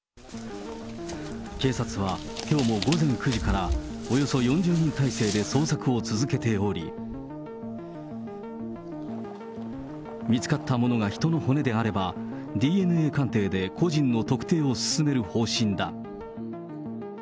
警察は、きょうも午前９時から、およそ４０人態勢で捜索を続けており、見つかったものが人の骨であれば、ＤＮＡ鑑定で個人の特定を進める方針だ。